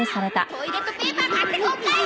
トイレットペーパー買ってこんかい！